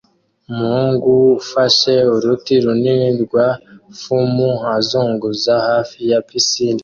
Umuhungu ufashe uruti runini rwa fumu azunguza hafi ya pisine